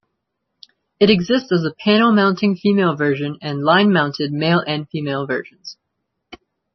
It exists as a panel-mounting female version, and line-mounted male and female versions.